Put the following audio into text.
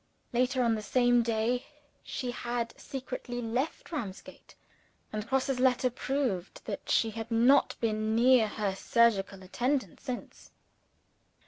Later on the same day, she had secretly left Ramsgate; and Grosse's letter proved that she had not been near her surgical attendant since.